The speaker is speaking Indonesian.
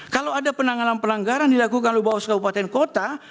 kalau ada penanganan pelanggaran dilakukan oleh bawas kabupaten kota